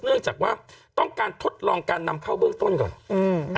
เนื่องจากว่าต้องการทดลองการนำเข้าเบื้องต้นก่อนอืม